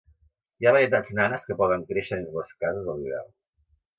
Hi ha varietats nanes que poden créixer dins les cases a l'hivern.